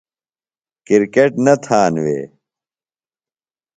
کرکٹ نہ تھانوے ؟